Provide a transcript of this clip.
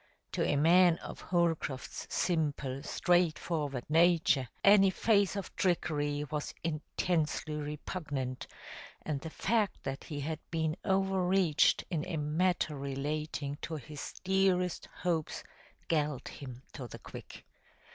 To a man of Holcroft's simple, straightforward nature, any phase of trickery was intensely repugnant, and the fact that he had been overreached in a matter relating to his dearest hopes galled him to the quick.